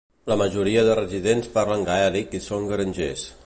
La majoria de residents parlen gaèlic i són grangers.